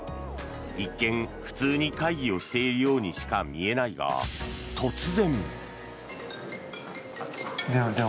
一見、普通に会議をしているようにしか見えないが、突然。